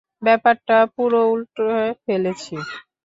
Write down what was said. ব্যাপারটা পুরো উল্টে ফেলছি।